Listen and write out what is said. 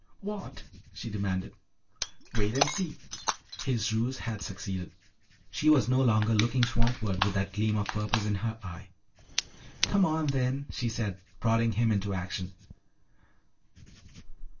"What?" she demanded. "Wait and see." His ruse had succeeded. She was no longer looking swampward with that gleam of purpose in her eye. "Come on then," she said, prodding him into action.